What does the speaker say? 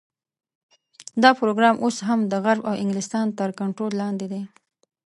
دا پروګرام اوس هم د غرب او انګلستان تر کنټرول لاندې دی.